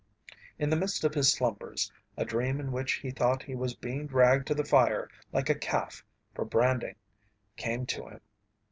In the midst of his slumbers, a dream in which he thought he was being dragged to the fire like a calf for branding came to him.